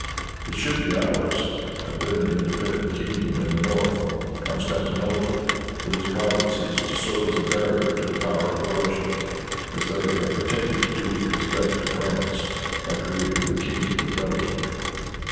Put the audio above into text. It should be ours; and then an independent kingdom in the north, Constantinople, with its provinces, to serve as a barrier to the power of Russia, as they have pretended to do with respect to France, by creating the kingdom of Belgium."